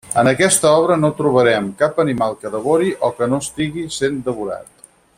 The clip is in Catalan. En aquesta obra no trobarem cap animal que devori o que no estigui sent devorat.